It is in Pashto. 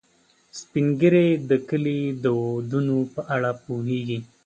سپین ږیری د کلي د دودونو په اړه پوهیږي